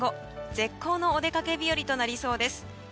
絶好のお出かけ日和となりそうです。